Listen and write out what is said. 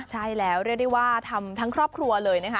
ใช่แล้วเรียกได้ว่าทำทั้งครอบครัวเลยนะคะ